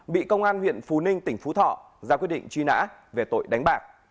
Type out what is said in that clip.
bị công an huyện phú ninh tỉnh phú thọ ra quyết định truy nã về tội đánh bạc